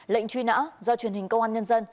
lệnh truy nã do truyền hình công an nhân dân